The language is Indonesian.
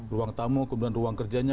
ruang tamu kemudian ruang kerjanya